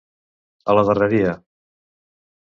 A la darreria.